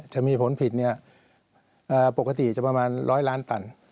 จะมีผลผิดปกติจะประมาณ๑๐๐ล้านตัน